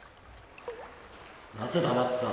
なぜ黙ってた？